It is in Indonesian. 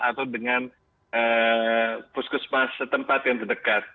atau dengan puskesmas setempat yang terdekat